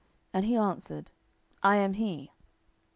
And he answered, I am he.